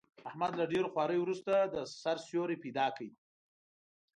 احمد له ډېرو خواریو ورسته، د سر سیوری پیدا کړ.